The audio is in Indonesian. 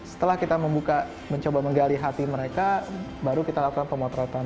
setelah kita membuka mencoba menggali hati mereka baru kita lakukan pemotretan